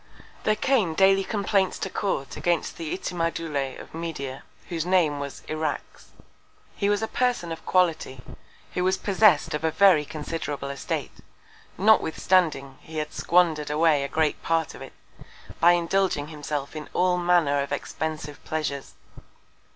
There came daily Complaints to Court against the Itimadoulet of Media, whose Name was Irax. He was a Person of Quality, who was possess'd of a very considerable Estate, notwithstanding he had squander'd away a great Part of it, by indulging himself in all Manner of expensive Pleasures.